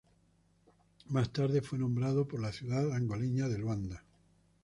Más tarde fue nombrado por la ciudad angoleña de Luanda.